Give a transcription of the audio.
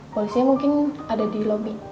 polisinya mungkin ada di lobi